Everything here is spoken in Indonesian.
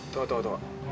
tuh tuh tuh